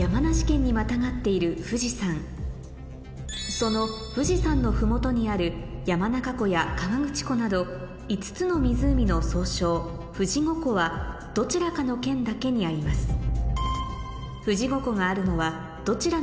その富士山の麓にある山中湖や河口湖など５つの湖の総称富士五湖はどちらかの県だけにあります質問？え！